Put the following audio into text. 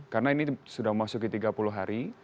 karena ini sudah memasuki tiga puluh hari